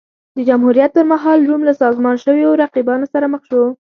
د جمهوریت پرمهال روم له سازمان شویو رقیبانو سره مخ شو